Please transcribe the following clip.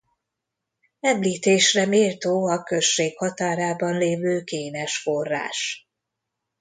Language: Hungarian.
Említésre méltó a község határában lévő kénes forrás.